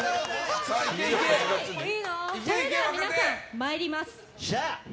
それでは皆さん参ります。